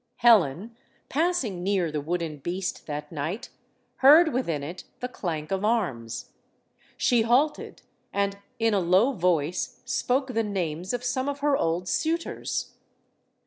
Helen, passing near the wooden beast that night, heard within it the clank of arms. She halted, and, in a low voice, spoke the names of some of her old suitors.